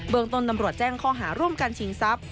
เมืองต้นตำรวจแจ้งข้อหาร่วมกันชิงทรัพย